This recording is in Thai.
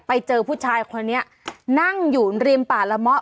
ไปเจอผู้ชายคนนี้นั่งอยู่ริมป่าละเมาะ